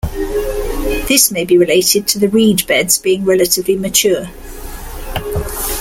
This may be related to the reed beds being relatively mature.